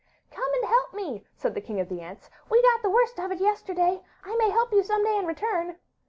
'Come and help me,' said the King of the Ants; 'we got the worst of it yesterday. I may help you some day in return.